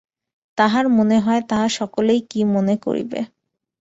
তাঁহার মনে হয়, তাহা হইলে সকলে কি মনে করিবে।